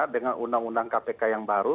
dengan undang undang kpk yang baru